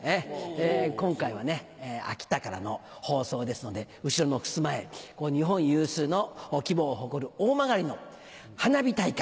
今回は秋田からの放送ですので後ろのふすま絵日本有数の規模を誇る大曲の花火大会